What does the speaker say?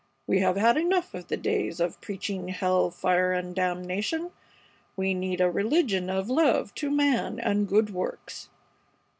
We have had enough of the days of preaching hell fire and damnation. We need a religion of love to man, and good works.